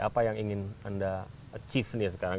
apa yang ingin anda achieve nih sekarang